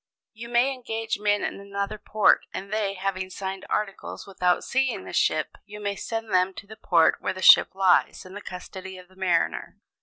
"You may engage men in another port, and they, having signed articles without seeing the ship, you may send them to the port where the ship lies in the custody of a mariner.